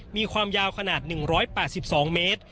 มีความยาวขนาด๑๘๒เมตร